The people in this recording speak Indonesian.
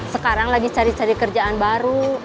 sekarang lagi cari cari kerjaan baru